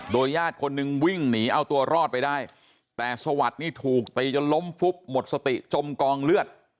ญาติคนหนึ่งวิ่งหนีเอาตัวรอดไปได้แต่สวัสดิ์นี่ถูกตีจนล้มฟุบหมดสติจมกองเลือด